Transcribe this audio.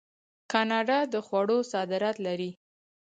کاناډا د خوړو صادرات لري.